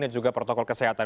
dan juga protokol kesehatan